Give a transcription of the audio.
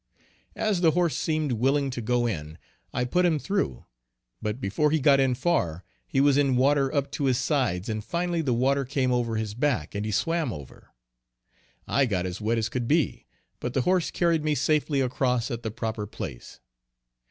As the horse seemed willing to go in I put him through; but before he got in far, he was in water up to his sides and finally the water came over his back and he swam over. I got as wet as could be, but the horse carried me safely across at the proper place.